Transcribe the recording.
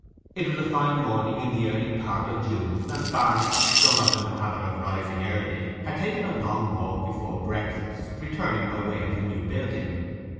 It was a fine morning in the early part of June, and Barnet, though not in the habit of rising early, had taken a long walk before breakfast; returning by way of the new building.